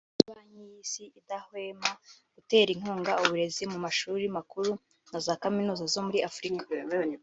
na Banki y’Isi idahweme gutera inkunga uburezi mu mashuri makuru na za kaminuza zo muri Afurika